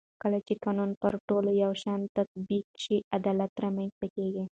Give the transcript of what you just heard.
کله چې قانون پر ټولو یو شان تطبیق شي عدالت رامنځته کېږي